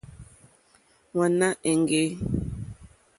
Wàná èŋɡê.